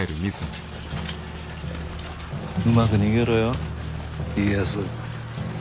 うまく逃げろよ家康。